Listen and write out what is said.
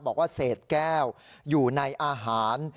บอกว่าเศษแก้วอยู่ในอาหาร